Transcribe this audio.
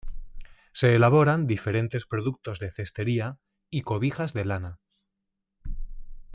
Se elaboran diferentes productos de cestería y cobijas de lana.